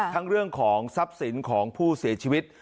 เรื่องของทรัพย์สินของผู้เสียชีวิต